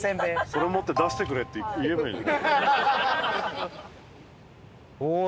それ持って「出してくれ」って言えばいい。